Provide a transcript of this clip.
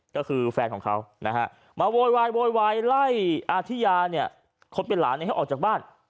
ก็คือแฟนของเขามาโวยวายโวยวายไล่อาธิยาคนเป็นหลานออกจากบ้าน